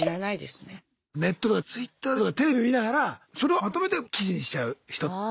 ネットとかツイッターとかテレビ見ながらそれをまとめて記事にしちゃう人。